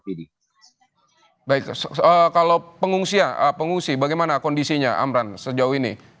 baik kalau pengungsi pengungsi bagaimana kondisinya amran sejauh ini